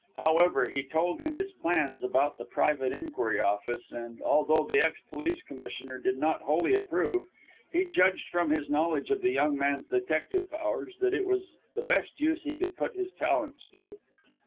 However, he told him his plans about the private inquiry office, and although the ex police commissioner did not wholly approve, he judged from his knowledge of the young man's detective powers, that it was the best use he could put his talents to.